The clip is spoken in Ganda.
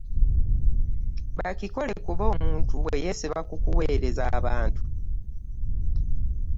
Bakikole kuba omuntu bwe yeesiba ku kuweereza abantu